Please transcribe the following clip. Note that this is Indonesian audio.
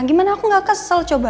gimana aku gak kesel coba